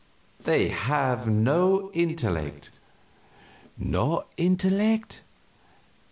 They have no intellect." "No intellect?"